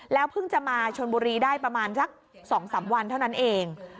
เพิ่งจะมาชนบุรีได้ประมาณสัก๒๓วันเท่านั้นเอง